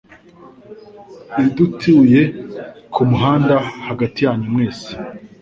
Ninde Utuye ku Umuhanda hagati yanyu mwese